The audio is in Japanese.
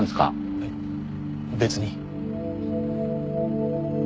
えっ別に。